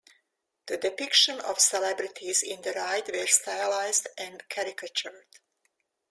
The depiction of celebrities in the ride were stylized and caricatured.